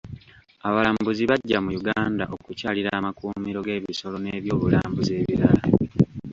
Abalambuzi bajja mu Uganda okukyalira amakuumiro g'ebisolo nebyobulambuzi ebirala.